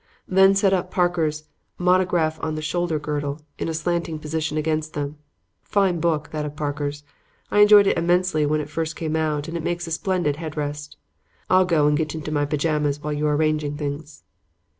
Then set up Parker's 'Monograph on the Shoulder girdle' in a slanting position against them. Fine book, that of Parker's. I enjoyed it immensely when it first came out and it makes a splendid head rest. I'll go and get into my pajamas while you are arranging the things."